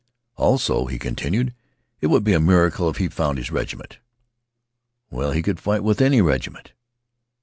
Also, he continued, it would be a miracle if he found his regiment. Well, he could fight with any regiment.